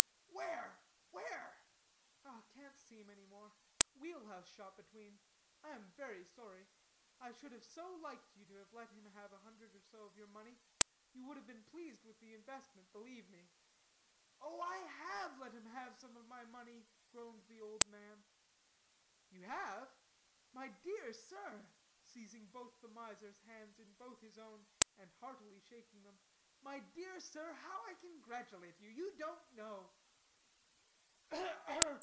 "Where? where?" "Can't see him any more. Wheel house shot between. I am very sorry. I should have so liked you to have let him have a hundred or so of your money. You would have been pleased with the investment, believe me." "Oh, I have let him have some of my money," groaned the old man. "You have? My dear sir," seizing both the miser's hands in both his own and heartily shaking them. "My dear sir, how I congratulate you. You don't know."